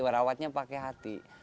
rasa sayangnya itu pakai hati